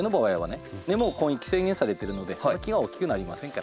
根も根域制限されてるので木は大きくなりませんから。